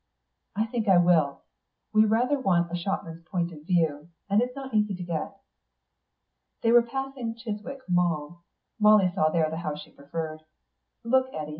"I think I will. We rather want the shopman's point of view, and it's not easy to get." They were passing Chiswick Mall. Molly saw there the house she preferred. "Look, Eddy.